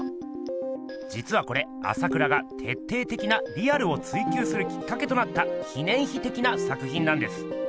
じつはこれ朝倉が徹底的なリアルを追求するきっかけとなった記念碑的な作品なんです。